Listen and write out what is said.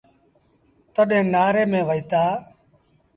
تڏهيݩ نآري ميݩ وهيٚتآ۔